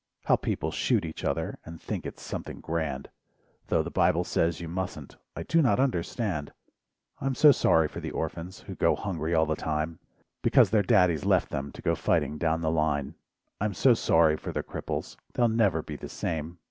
How people shoot each other, And think it "something grand," Tho the Bible says you mustn't I do not understand! I'm so sorry for the orphans, Who go hungry all the time, Because their daddies left them To go fighting down the line, I'm so sorry for the cripples, They'll never be the same.